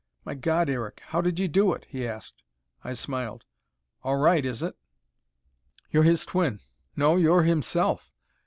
"My God, Eric, how did you do it?" he asked. I smiled. "All right, is it?" "You're his twin; no, you're himself!